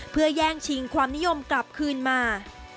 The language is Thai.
เพื่อแย่งชิงความนิยมกลับคืนมา